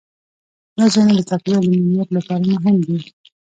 دا ځایونه د چاپیریال د مدیریت لپاره مهم دي.